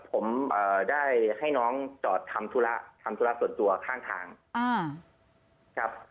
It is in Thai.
ผมได้ให้น้องจอดทำธุระทำธุระส่วนตัวข้างทางครับ